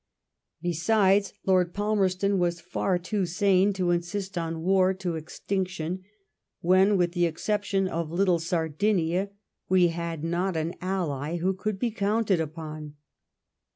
Besides, Lord Palmerston was far too sane to insist on war to extinc tion, when, with the exception of little Sardinia, we had not an ally who could be counted upon.